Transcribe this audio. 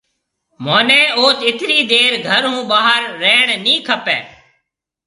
مهوني اوٿ اِترِي دير گهر هون ٻاهر رهڻ نِي کپيَ۔